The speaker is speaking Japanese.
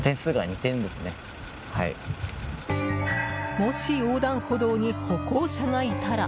もし、横断歩道に歩行者がいたら。